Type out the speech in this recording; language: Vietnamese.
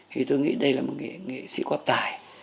thì tôi nghĩ đây là một nghệ sĩ có tài